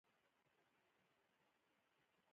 څومره شرم دى چې پر ځاى پروت اوسې.